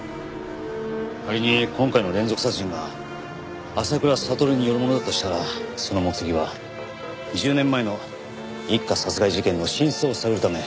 仮に今回の連続殺人が浅倉悟によるものだとしたらその目的は１０年前の一家殺害事件の真相を探るため。